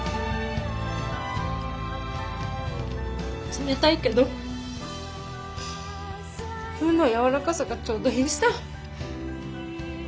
冷たいけど麩のやわらかさがちょうどいいさ。